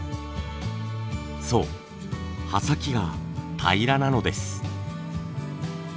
そう刃先が平らなのです。